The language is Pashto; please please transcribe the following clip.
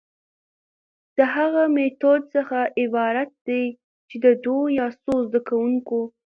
د هغه ميتود څخه عبارت دي چي د دوو يا څو زده کوونکو،